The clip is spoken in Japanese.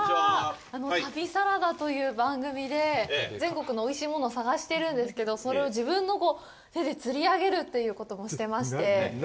旅サラダという番組で全国のおいしいものを探してるんですけど、それを自分の手で釣り上げるということもしてまして。